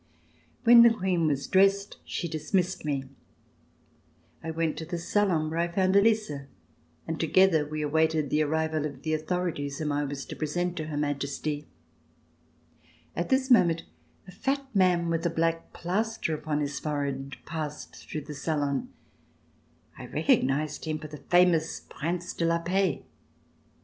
When the Queen was dressed, she dismissed me. I went to the salon where I found Elisa and together we awaited the arrival of the authorities, whom I was to present to Her Majesty. At this moment a fat man with a black plaster upon his forehead passed through the salon. I recognized him /or the famous RECOLLECTIONS OF THE REVOLUTION Prince de la Paix.